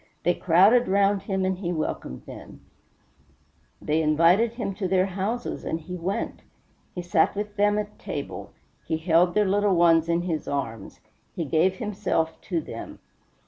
They crowded round him and he welcomed them; they invited him to their houses and he went; he sat with them at table; he held their little ones in his arms; he gave himself to them.